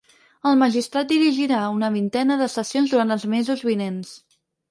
El magistrat dirigirà una vintena de sessions durant els mesos vinents.